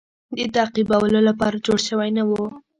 د تعقیبولو لپاره جوړ شوی نه وو.